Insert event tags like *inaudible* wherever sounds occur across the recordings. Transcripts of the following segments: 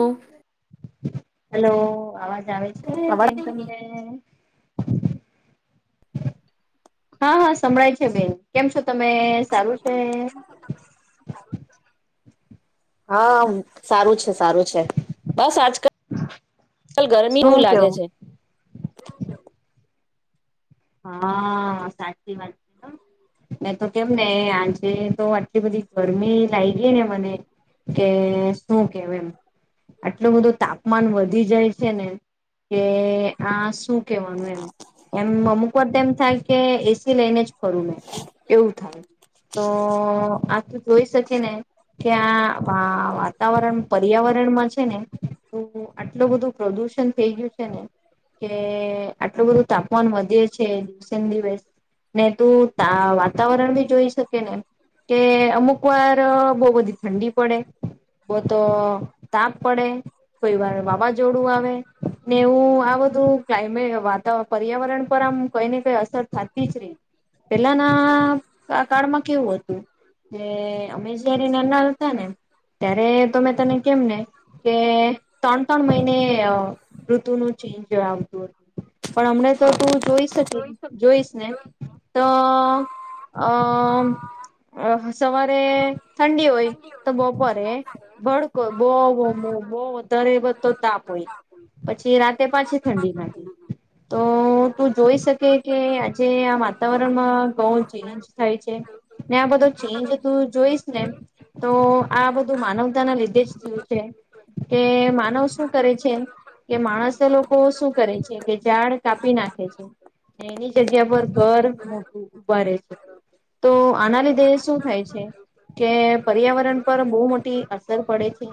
ઓ hello અવાજ આવે હ બેેન તમને? હા હા સંભળાય છે બેન કેમ છ તમે સારું છે? હા સારું છે. સારું છે બસ આજકાલ ગરમી એવું શું લાગે કેવું છે. હા સાચી વાત છે એ તો કેમ ને આજે તો આટલી બધી ગરમી લાગ ગઈ ને મને કે શું કેવ એમ આટલું બધું તાપમાન વધી જાય છે ને કે આ શું કેવાનું એમ એમ અમુક એ થાય કે એસી લઈને જ ફરું ને એવું થાય તો આ તું જોઈ શકે ને કે આ વાતાવરણ પર્યાવરણમાં છે ને તો આટલું બધું પ્રદુષણ થઈ ગયું છે ને કે આટલું બધું તાપમાન વધે છે. દિવસે દિવસ ને તું વાતાવરણ ભી જોઈ શકે ને કે અમુક વાર બહુ બધી ઠંડી પડે બહ તો તાપ પડે. કોઈ વાર વાવાઝોડું આવે ને એવું આ બધુ ક્લાઈમે, વાતા, પર્યાવરણ પર આમ અસર થતી જ રહી પેલાના કાળમાં કેવું હતું કે અમે જ્યારે નાના હતા ને ત્યારે તો મે તને કેમને ત્રણ ત્રણ મહિને ઋતુનુંું ચેન્જ આવતું હતું પણ હમને તો તું જોઈશ. જોઈશ ને તો અ સવારે ઠંડી હોય તો બપોરે ભડકો બહ બ બ. તરે બધતો તાપ હોય પછી રાતે પાછી ઠંડી નાખી તો *inaudible* કે આજે આ વાતાવરણમાં ઘણો ચેન્જ થાય છે ને આ બધો ચેન્જ તું જોઈશ ને તો આ બધું માનવતાના લીધે જ થયું છે કે માનવ શું કરે છે કે માણસ લોકો શું કરે છે કે ઝાડ કાપી નાખે છે. એની જગ્યા પર ઘર મોટું ઉભા છે તો આના લીધે શું થાય છે કે પર્યાવરણ પર બહુ મોટી અસર પડે છે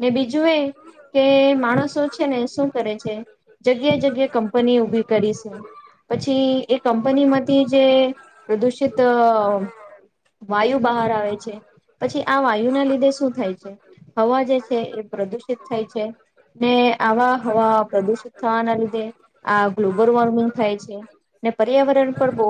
ને બીજું જુએ કે માણસો છે ને શું કરે છે જગ્યા જગ્યા કંપની ઊભી કરી છે. પછી એ કંપનીમાંથી જે પ્રદુષિત વાયુ બહાર આવે છે પછી આ વાયુના લીધે શું થાય છે હવા જે છે એ પ્રદુષિત થઈ છે ને આવા હવા પ્રદુષિત થવાના લીધે આ ગ્લોબલ વોર્મિંગ થાય છે ને પર્યાવરણ પર બહ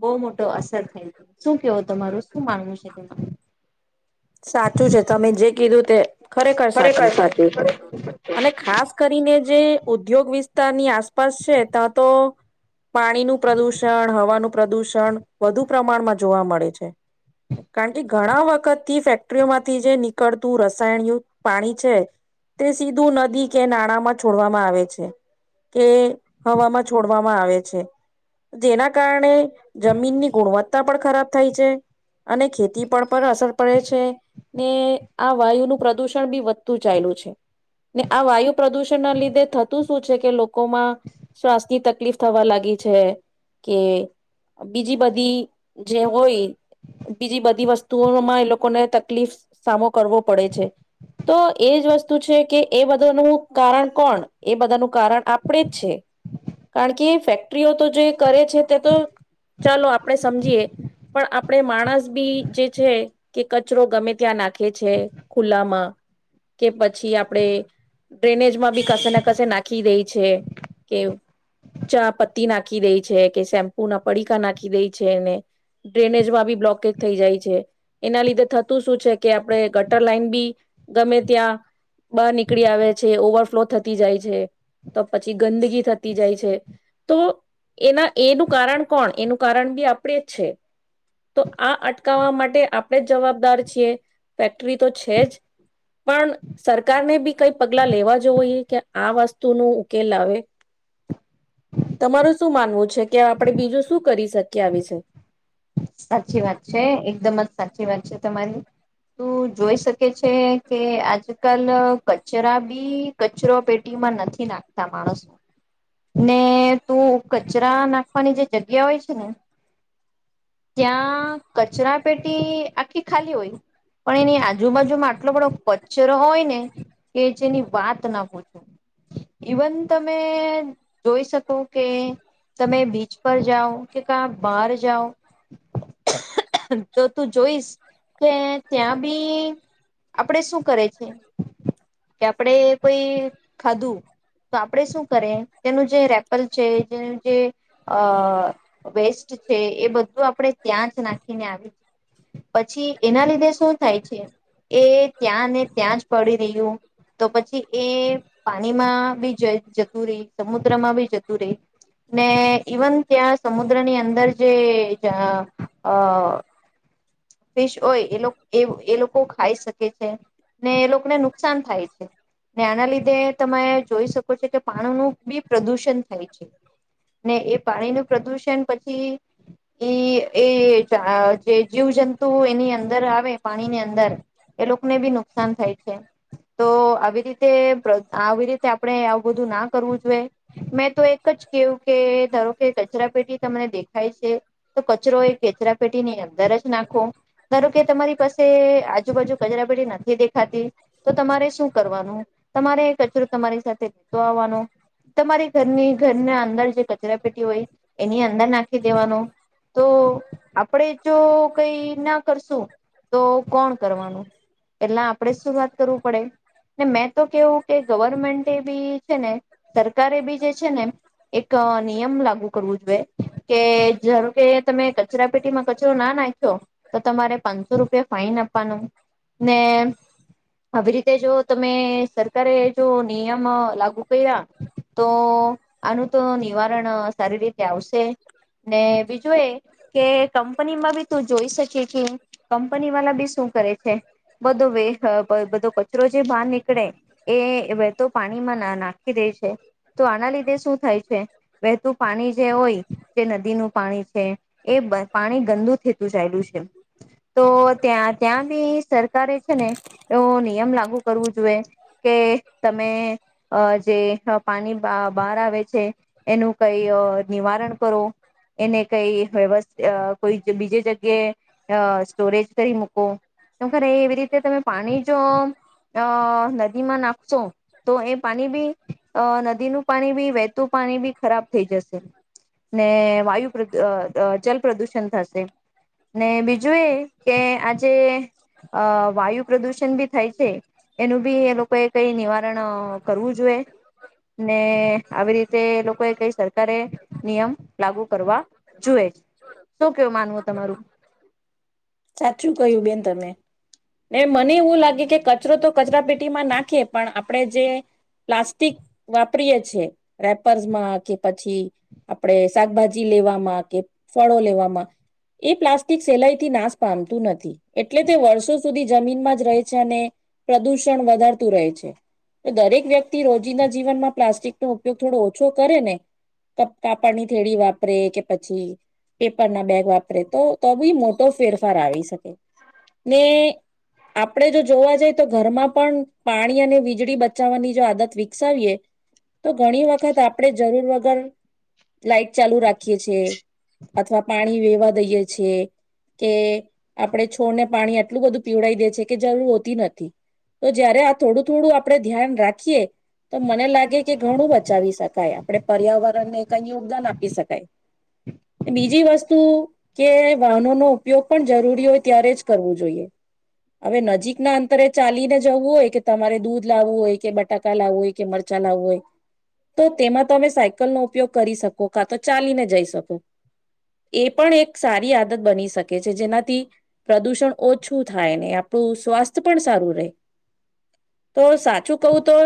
બહુ મોટો અસર થાય છે શું કેવો તમારું શું માનવું છે તેમાં સાચું છે તમે જે કીધું તે ખરેખર બરે ક સાચું સા છે અને ખાસ કરીને જે ઉદ્યોગ વિસ્તારની આસપાસ છે ત્યાં તો પાણી નું પ્રદુષણ હવાનું પ્રદુષણ વધુ પ્રમાણમાં જોવા મળે છે કારણ કે ઘણા વખતથી ફેક્ટરીઓમાંથી જે નીકળતું રસાયણયું પાણી છે તે સીધું નદી કે નાણાંમાં છોડવામાં આવે છે કે હવામાં છોડવામાં આવે છે જેના કારણે જમીન ની ગુણવત્તા પણ ખરાબ થાય છે અને ખેતી પણ પર અસર પડે છે ને આ વાયુ નું પ્રદુષણ વધતું ચાયલું છુ ને આ વાયુ પ્રદુષણ ના લીધે થતું શું છે કે લો લોકો મા સ્વસ્થ ની તકલીફ તકલીફ થવા લાગી છે કે બીજી બધી જે હોય બીજી બધી વસ્તુઓમાં એ લોકોને તકલીફ સામો કરવો પડે છે તો એજ વસ્તુ છે કે એ બધાનું કારણ કોણ એ બધાનું કારણ આપણે જ છે કારણ કે ફેક્ટરીઓ તો જે કરે છે તે તો ચાલો આપણે સમજીએ પણ આપણે માણસ બી જે છે કે કચરો ગમે ત્યાં નાખે છે ખુલ્લામાં કે પછી આપડે ડ્રેનેજમાં બી કશે ના કશે નાખી દે છે કે ચા પત્તી નાખી દે છે કે શેમ્પુ ના પડીકા નાખી દે છે ને ડ્રેનેજમાં બી બ્લોકેજ થઈ જાય છે એના લીધે થતું શું છે કે આપણે ગટર લાઈન બી ગમે ત્યાં બહાર નીકળી આવે છે ઓવરફ્લો થતી જાય છે તો પછી ગંદગી થતી જાય છે તો એના એનું કારણ કોણ એનું કારણ બી આપણે જ છે તો આ અટકાવવા માટે આપણે જ જવાબદાર છીએ ફેક્ટરી તો છે જ પણ સરકારને બી કઈ પગલા લેવા જોવઈ કે આ વસ્તુનો ઉકેલ આવે તમારું શું માનવું છે કે આપણે બીજું શું કરી શકીએ આવીશે સાચી વાત છે એકદમ જ સાચી વાત છે તમારી તું જોઈ શકે છે કે આજકાલ કચરા બી કચરો પેટીમાં નથી નાખતા માણસો ને તું કચરા નાખવાની જે જગ્યા હોય છે ને- ત્યાં કચરા પેટી આખી ખાલી હોય પણ એની આજુ આજૂ બાજુમાં આટલો બધો કચરો હોય ને કે જેની વાત ના પૂછ ઇવન તમે જોઈ શકો કે તમે બીચ પર જાઓ કે કા બહાર જાઓ તો તું જોઈશ કે ત્યાં બી આપડે શું કરે છે કે આપડે કોઈ ખાધું તો આપડે શું કરે તેનું જે રેપ રેપર છે જ અ વેસ્ટ છે એ બધું આપ આપણે ત્યાં જ નાખીને આવી પછી એના લીધે શું થાય છે એ ત્યાં ને ત્યાં જ પડી રહ્યું તો પછી એ પાણીમાં બી જતું રહી સમુદ્રમાં બી જતું રહી ને ઈવન ત્યાં સમુદ્ર ની અંદર જે અ અ ફિશ હોય એ એ એ લોકો ખાઈ શકે છે ને એ લોકોને નુકસાન થાય છે ને આના લીધે તમે જોઈ શકો છો કે પાણીનુ બી પ્રદૂષણ થાય છે ને એ પાણી ન પ્રદુષણ પછી ઈ એ જા જે જીવ જંતુ એની અંદર આવે પાણીની અંદર એ લોકોને બી નુકસાન થાય છે તો આવી રીતે પ્ર આવી રીતે આપણે આવું બધું ના કરવું જોઈએ મેં તો એક જ કેહું કે ધારો કે કચરા પેટી તમને દેખાય છે તો કચરો એ કચરા પેટી ની અંદર જ નાખો ધારો કે તમારી પાસે આજુબાજુ કચરાપેટી નથી દેખાતી તો તમારે શું કરવાનું તમારે કચરો તમારી સાથે લેતો આવવાનો તમારી ઘરની ઘરના અંદર જે કચરા પેટી હોય એની અંદર નાખી દેવાનો તો આપણે જો કઈ ના કરશું તો કોણ કરવાનું એટલા આપણેે શું વાત કરવું પડે ને મેં તો કેવું કે ગવર્મેન્ટ બી છે ને સરકારે બી જે છે ને એક નિયમ લાગુ કરવું જોઈએ કે ધાર કે તમે કચરા પેટીમાં કચરો ના નાખ્યો તો તમારે પાંચસો રૂપિયા ફાઈન આપવાનું ને આવી રીતે જો તમે સરકારે જો નિયમ લાગુ કર્યા તો આનું તો નિવારણ સારી રીતે આવશે ને બીજું એ કે કંપનીમાં બી તું જોઈ શકે કંપની વાળલા બી શું કરે છે બધો વે બ બ બધો કચરો જે બહાર નીકળે એ વહેતો પાણીમાં ના ના નાખી દે છે તો આના લીધે શું થાય છે વહેતું પાણી જે હોય જે નદીનુ પાણી છે એ બ પાણી ગંદુ થતું ચાયલું છે તો ત્યાં ત્યાં બી સરકારે છે ને એવો નિયમ લાગુ કરવું જોઈએ કે તમે અ જે પાણી બ બહાર આવે છે એનું કઈ અ નિવારણ કરો એને કઈ વયસત કોઈ બીજે જગ્યા કેે અ સ્ટોરેજ કરી મૂકો ખરે એવી રીતે તમે પાણી જો આ નદીમાં નાખશો તો એ પાણી બી નદીનું પાણી બી વહેતું પાણી બી ખરાબ થઈ જશે ને વાયુ પ્ર જલ પ્રદૂષણ થશે ને બીજું એ કે આજે વાયુ પ્રદૂષણ બી થાય છે એનું બી એ લોકોએ કઈ નિવારણ કરવું જોઈએ ને આવી રીતે તે લોકોએ કઈ સરકારે નિયમ લાગુ કરવા જોય શું કેવું માનવું તમારું સાચું કહ્યું બેન તમે ને મને એવું લાગે કે કચરો તો કચરા પીટ ટી માં નાખીએ પણ આપ આપણે જે પ્લાસ્ટિક વાપરીએ છે રેપર્સમાં કે પછી આપણે શાકભાજી લેવામાં કે ફળો લેવામાં એ પ્લાસ્ટિક સેલાઈ થી નાશ પામતું નથી એટલે તે વર્ષો સુધી જમીનમાં જ રહે છે અને પ્રદુષણ વધારતું રહે છે તો દરેક વ્યક્તિ રોજીના જીવનમાં પ્લાસ્ટિક નો ઉપયોગ થોડો ઓછો કરે ને કાપડની થેડી વાપરે કે પછી પેપર ના બેગ વાપરે તો તો બી મોટો ફેરફાર આવી શકે ને આપણે જો જોવા જઈ તો ઘરમાં પણ પાણી અને વીજળી બચાવવાની જો આદત વિકસાવીએ તો ઘણી વખત આપણે જરૂર વગર લાઈટ ચાલુ રાખીએ છે અથવા પાણી વેવા દઈએ છેએ કે આપણે છોડને પાણી આટલું બધું પીવડાઈ દે છે કે જરૂર હોતી નથી તો જયારે આ થોડું થોડું આપણે ધ્યાન રાખીએ તો મને લાગે કે ઘણું બચાવી શકાય આપણે પર્યાવરણને કઈ યોગદાન આપી શકાય બીજી વસ્તુ કે વાહનોનોો ઉપયોગ પણ જરૂરી હોય ત્યારે જ કરવું જોઈએ હવે નજીકના અંતરે ચાલીને જવું હોય કે તમારે દૂધ લાવવું હોય કે બટાકા લાવવું હોય કે મરચાં લાવવું હોય તો તેમાં તમે સાયકલનોો ઉપયોગ કરી શકો કા તો ચાલીને જઈ શકો એ પણ એક સારી આદત બની શકે છે જેનાથી પ્રદુષણ ઓછું થાયને આપણું સ્વાસ્થ્ય પણ સારું રહે તો સાચું કવું તો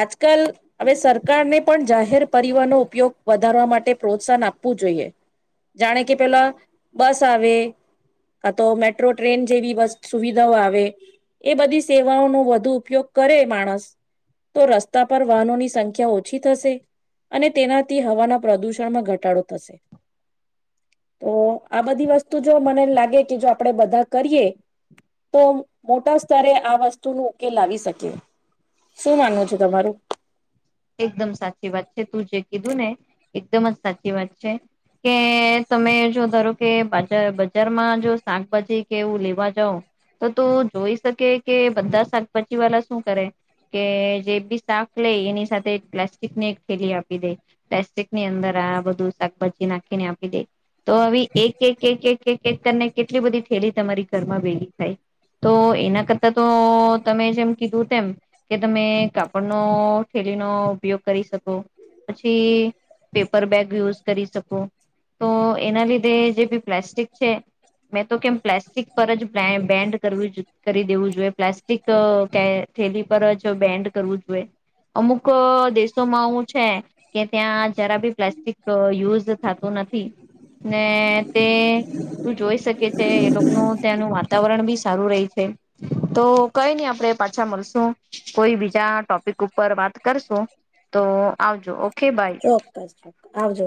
આજકાલ હવે સરકારને પણ જાહેર પરિવહનો ઉપયોગ વધારવા માટે પ્રોત્સાહન આપવું જોઈએ જાણે કે પેલા બસ આવે આ તો મેટ્રો ટ્રેન જેવી સુવિધાઓ આવે એ બધી સેવાઓનો વધુ ઉપયોગ કરે માણસ તો રસ્તા પર વાહનોની સંખ્યા ઓછી થશે અને તેનાથી હવાના પ્રદુષણમાં ઘટાડો થશે તો આ બધી વસ્તુ જો મને લાગે કે જો આપણે બધા કરીએ તો મોટા સ્તરે આ વસ્તુ ન ઉકેલ આવી શકે શું માન છો તમારું એકદમ સાચી વાત છે તું જે કીધું ને એકદમ જ સાચી વાત છે કે તમે જો ધારો કેજ બજારમાં જો શાકભાજી કેવું લેવા જાાવ તો ત જોઈ શકે કે બધા શાકભાજી વાળ શું કરે કે જે બી શાક લે એની સાથે પ્લાસ્ટિકની એક થેલી આપી દે પ્લાસ્ટિક ની અંદર આ બધું શાકભાજી નાખીને આપી દે તો આવી એક એક એક એક એક એક કરીને કેટલી બધી થેલી તમારી ઘરમાં ભેગી થાય તો એના કરતા તો તમે જેમ કીધું તેમ કે તમે કાપડ ન ઉપયોગ કરી શકો પછી પેપર બેગ યુઝ કરી શકો તો એના લીધે જે બી પ્લાસ્ટિક છે મેં તો કેમ પ્લાસ્ટિક પર જ બેન્ડ કરવી કરી દેવું જોઈએ પ્લાસ્ટિક થેલી પર જ બેન્ડ કરવું જોઈએ અમુક દેશોમાં હું છે કે ત્યાંજ રાી પ્લાસ્ટિક યુઝ થતું નથી ને તે તું જોઈ શકી એ લોકોનું ત્યાંનું વાતાવરણ બી સારું રહી છે તો કઈ નહી આપડે પાછા મળશું કોઈ બીજા ટોપિક ઉપર ઉપર વાત કરશો તો આવજો ઓકે બાય ચોક્કસ ચોક્કસ આવજો